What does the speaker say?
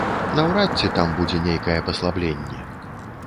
Наўрад ці там будзе нейкае паслабленне.